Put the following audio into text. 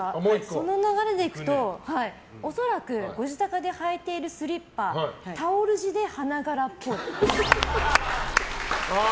その流れでいくと恐らくご自宅で履いているスリッパタオル地で花柄っぽい。